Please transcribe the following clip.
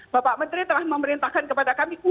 bapak menteri telah memerintahkan kepada kami untuk turun